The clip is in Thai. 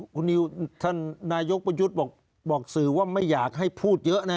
คุณนิวท่านนายกประยุทธ์บอกสื่อว่าไม่อยากให้พูดเยอะนะ